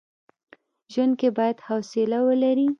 ژوند کي بايد حوصله ولري.